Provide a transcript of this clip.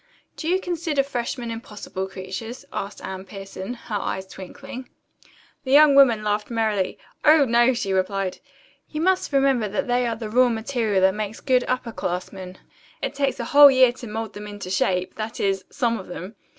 "Do you consider freshmen impossible creatures?" asked Anne Pierson, her eyes twinkling. The young woman laughed merrily. "Oh, no," she replied. "You must remember that they are the raw material that makes good upper classmen. It takes a whole year to mould them into shape that is, some of them.